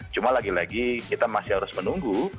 cuma lagi lagi kita masih harus menunggu